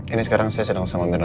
ini sekarang saya sedang sama dengan